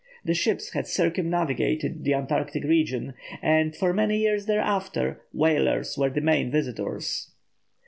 The ships had circumnavigated the Antarctic region, and for many years thereafter whalers were the main visitors.